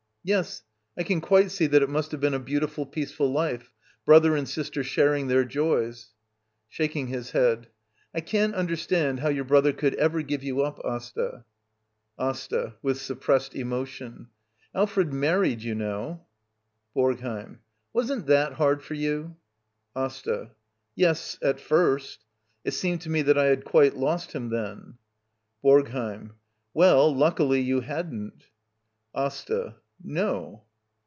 Yes, I can quite see that it must ih^e been a beautiful, peaceful life — brother and sister sharing their joys. [Shaking his head.] I can't understand how your brother could ever give you up, Asta. ^AsTA. [With suppressed emotion.] Alfred mar Wied, you know. BoRGHEiM. Wasn't that hard for you? ^AsTA. Yes, at first. It seemed to me that I had quite lost him then. BoRGHEiM. Well, luckily you hadn't. Asta. No.